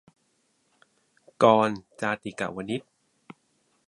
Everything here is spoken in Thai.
- กรณ์ จาติกวณิช